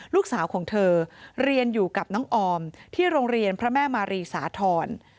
ลูกสาวของเธอเรียนอยู่กับน้องออมที่โรงเรียนพระแม่มารีสาธรณ์